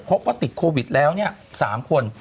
เพราะว่าติดโควิดแล้วเนี่ย๓คน